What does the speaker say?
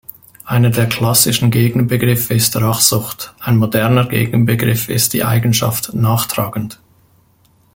Einer der klassischen Gegenbegriffe ist „Rachsucht“, ein moderner Gegenbegriff ist die Eigenschaft „nachtragend“.